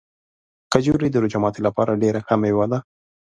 کجورې د روژه ماتي لپاره ډېره ښه مېوه ده.